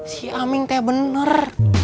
si aming teh bener